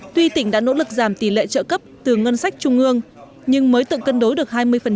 tuy tỉnh đã nỗ lực giảm tỷ lệ trợ cấp từ ngân sách trung ương nhưng mới tự cân đối được hai mươi